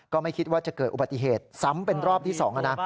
ก็ไม่คิดว่าจะเกิดอุบัติเหตุซ้ำเป็นรอบที่๒นะ